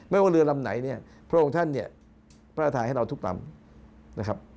ไม่ว่าเรือลำไหนพระองค์ท่านประทานให้เราทุกลำ